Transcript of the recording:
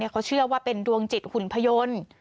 เขาเชื่อว่าเป็นดวงจิตหุ่นพยนตร์